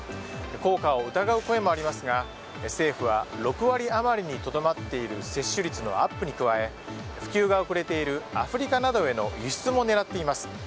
効果を疑う声もありますが政府は６割余りにとどまっている接種率のアップに加え普及が遅れているアフリカなどへの輸出も狙っています。